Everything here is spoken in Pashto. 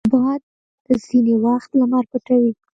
باد ځینې وخت لمر پټوي